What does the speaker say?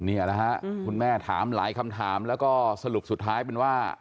นี่แหละฮะคุณแม่ถามหลายคำถามแล้วก็สรุปสุดท้ายเป็นว่า